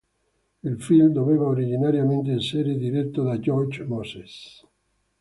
Il film doveva originariamente essere diretto da George Moses.